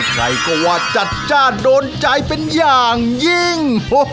ใครก็ว่าจัดจ้านโดนใจเป็นอย่างยิ่ง